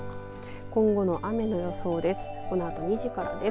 今後の雨の予想です。